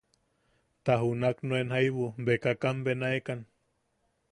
Ta junak nuen jaibu bekakan benaekan.